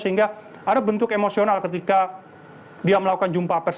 sehingga ada bentuk emosional ketika dia melakukan jumpa pers